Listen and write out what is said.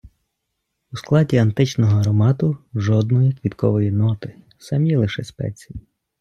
У складі античного аромату – жодної квіткової ноти, самі лише спеції.